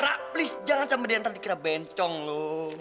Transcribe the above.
ra please jangan sampai dia nanti kira bencong lo